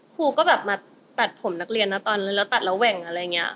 ครูก็แบบมาตัดผมนักเรียนนะตอนนั้นแล้วตัดแล้วแหว่งอะไรอย่างนี้